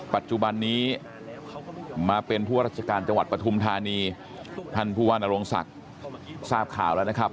ปัจจุบันนี้มาเป็นผู้ราชการจังหวัดปฐุมธานีท่านผู้ว่านโรงศักดิ์ทราบข่าวแล้วนะครับ